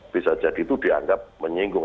bisa jadi itu dianggap menyinggung